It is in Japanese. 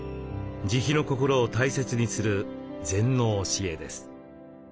慈悲の心を大切にする禅の教えです。